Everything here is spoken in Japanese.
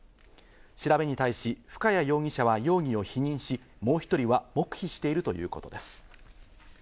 調べに対し深谷容疑者は容疑を否認し、もう１人は黙秘しているということです。